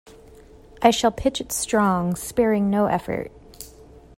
I shall pitch it strong, sparing no effort.